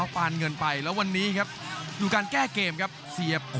ขวางเอาไว้ครับโอ้ยเด้งเตียวคืนครับฝันด้วยศอกซ้าย